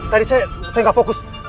tadi saya gak fokus